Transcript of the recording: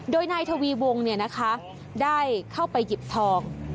โดยนายทวีวงก์เนี่ยนะคะได้เข้าไปหยิบทอง